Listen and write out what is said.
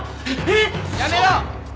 ⁉え⁉やめろ！